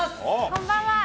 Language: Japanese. こんばんは。